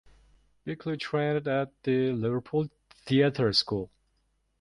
Bickley trained at The Liverpool Theatre School.